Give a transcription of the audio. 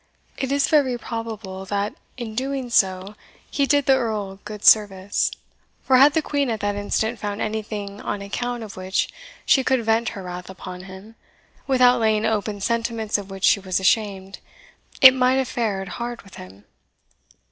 It is very probable that, in doing so, he did the Earl good service; for had the Queen at that instant found anything on account of which she could vent her wrath upon him, without laying open sentiments of which she was ashamed, it might have fared hard with him.